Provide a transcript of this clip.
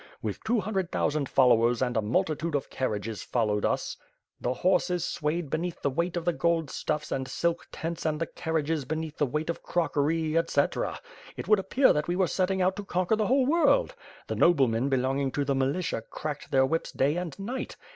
With two hundred thousand followers and a multitude of carriages followed ns; the horses swayed beneath the weight of the gold stuffs and silk tents and the carriages beneath the weight of crockery, etc. It would appear that we were setting out to conquer the whole world. The noblemen, belonging to the militia cracked their whips day and night.